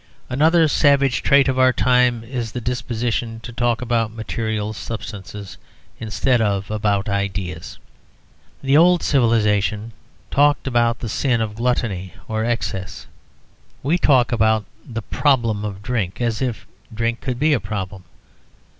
Another savage trait of our time is the disposition to talk about material substances instead of about ideas. The old civilisation talked about the sin of gluttony or excess. We talk about the Problem of Drink as if drink could be a problem.